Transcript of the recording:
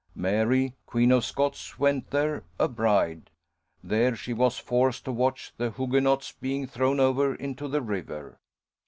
Mary, Queen of Scots, went there a bride. There she was forced to watch the Hugenots being thrown over into the river.